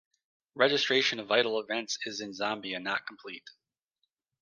Registration of vital events is in Zambia not complete.